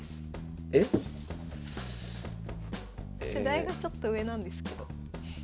世代がちょっと上なんですけど。